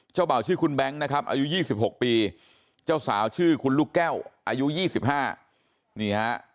เบาชื่อคุณแบงค์นะครับอายุ๒๖ปีเจ้าสาวชื่อคุณลูกแก้วอายุ๒๕นี่ฮะ